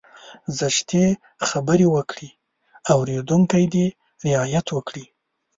زشتې خبرې وکړي اورېدونکی دې رعايت وکړي.